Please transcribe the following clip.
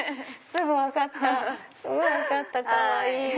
すぐ分かったかわいい！